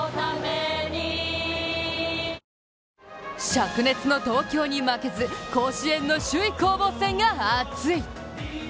しゃく熱の東京に負けず甲子園の首位攻防戦がアツい！